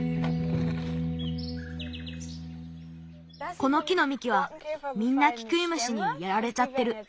この木のみきはみんなキクイムシにやられちゃってる。